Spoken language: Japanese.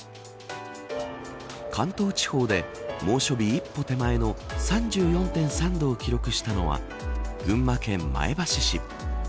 関東地方で、猛暑日一歩手前の３４．３度を記録したのは群馬県前橋市。